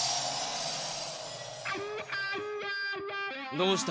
どうした？